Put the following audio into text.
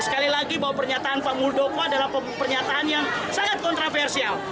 sekali lagi bahwa pernyataan pak muldoko adalah pernyataan yang sangat kontroversial